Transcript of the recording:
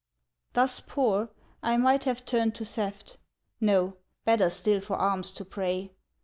Thus poor, I might have turned to theft; No! better still for alms to pray!